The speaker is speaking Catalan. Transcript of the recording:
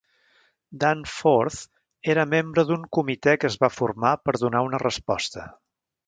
Danforth era membre d'un comitè que es va formar per donar una resposta.